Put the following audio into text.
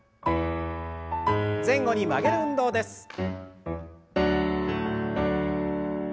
前後に曲げる運動です。